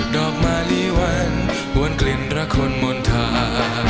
ดอกมาลีวันกลิ่นรักคนมณฑา